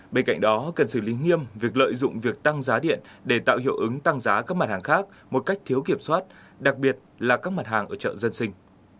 bên cạnh đó cần xử lý nghiêm việc lợi dụng việc tăng giá điện để tạo hiệu ứng tăng giá các mặt hàng khác một cách thiếu kiểm soát đặc biệt là các mặt hàng ở chợ dân sinh